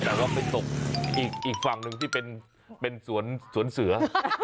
แต่ว่าไปตกอีกฝั่งหนึ่งที่เป็นสวนเสือ